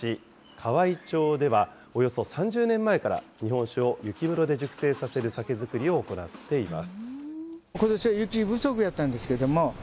河合町では、およそ３０年前から日本酒を雪室で熟成させる酒造りを行っています。